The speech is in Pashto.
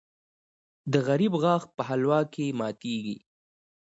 د غریب غاښ په حلوا کې ماتېږي.